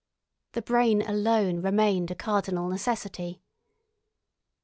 The brain alone remained a cardinal necessity.